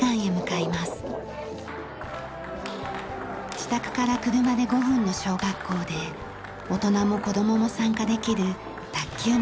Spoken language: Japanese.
自宅から車で５分の小学校で大人も子供も参加できる卓球の練習です。